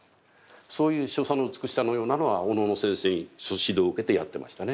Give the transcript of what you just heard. そういう所作の美しさのようなのはお能の先生にその指導を受けてやってましたね。